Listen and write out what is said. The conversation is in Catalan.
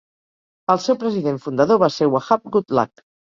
El seu president fundador va ser Wahab Goodluck.